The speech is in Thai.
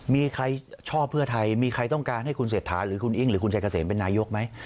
มีใครชอบเพื่อไทยมีใครต้องการให้คุณเศรษฐาหรือคุณอิ้งหรือคุณชายเกษมเป็นนายกไหม